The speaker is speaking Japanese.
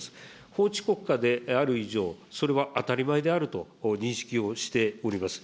法治国家である以上、それは当たり前であると認識をしております。